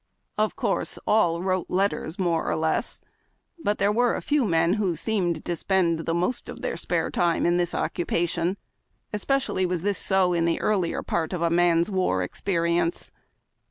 Of course, all wrote letters more or less, but there were a few men who seemed to spend the most of their spare time in this occupation. Especially was LIFE IN TENTS. 63 this so in the earlier part of a man's war experience.